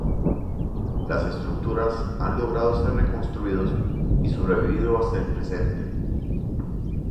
Las estructuras han logrado ser reconstruidos y sobrevivido hasta el presente.